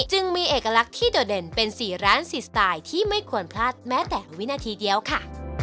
จึงมีเอกลักษณ์ที่โดดเด่นเป็น๔๔สไตล์ที่ไม่ควรพลาดแม้แต่วินาทีเดียวค่ะ